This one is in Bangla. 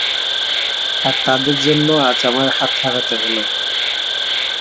আর তাদের জন্য আজ আমার হাত হারাতে হল।